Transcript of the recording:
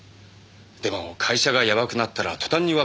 でも会社がやばくなったら途端に別れて。